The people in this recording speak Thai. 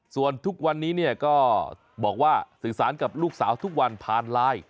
ส่วนทุกวันนี้เนี่ยก็บอกว่าสื่อสารกับลูกสาวทุกวันผ่านไลน์